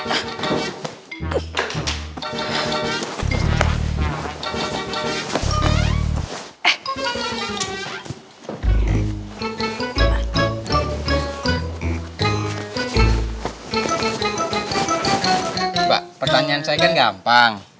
mbak pertanyaan saya kan gampang